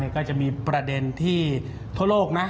ก็จะมีประเด็นที่ทั่วโลกนะ